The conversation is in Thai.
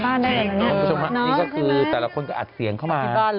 ก็จากนั้นคือแต่ละคนอัดเสียงเข้ามา